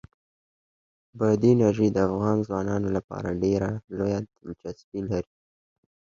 بادي انرژي د افغان ځوانانو لپاره ډېره لویه دلچسپي لري.